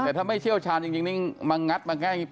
แต่ถ้าไม่เชี่ยวชาญจริงนี่มางัดมาแก้